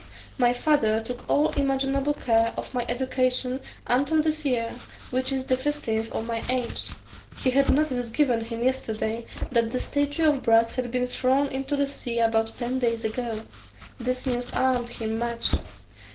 "My father took all imaginable care of my education until this year, which is the fifteenth of my age. He had notice given him yesterday, that the statue of brass had been thrown into the sea about ten days ago. This news alarmed him much.